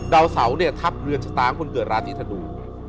ดาวเสาเนี่ยทับเรือนชะตาของคนเกิดราศีธนู